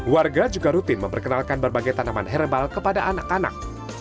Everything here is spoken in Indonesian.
warga juga rutin memperkenalkan berbagai tanaman herbal kepada anak anak